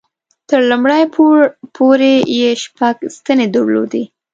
تر لومړي پوړ پورې یې شپږ ستنې درلودې.